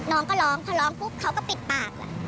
น้องก็ร้องพอร้องปุ๊บเขาก็ปิดปากแหละ